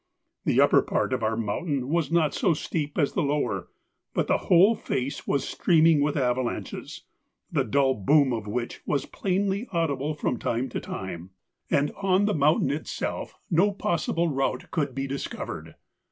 The upper part of our mountain was not so steep as the lower, but the whole face was streaming with avalanches, the dull boom of which was plainly audible from time to time, and on the mountain itself no possible route could be discovered.